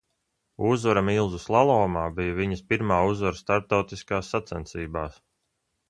Uzvara milzu slalomā bija viņas pirmā uzvara starptautiskās sacensībās.